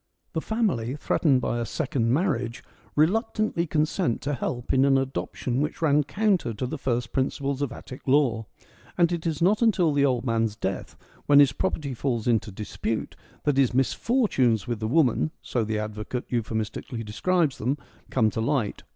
The family, threatened by a second mar riage, reluctantly consent to help in an adoption which ran counter to the first principles of Attic law ; and it is not until the old man's death, when his property falls into dispute, that his ' misfortunes ' with the woman (so the advocate euphemistically describes them) come to light.